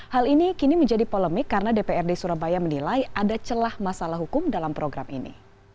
hal ini kini menjadi polemik karena dprd surabaya menilai ada celah masalah hukum dalam program ini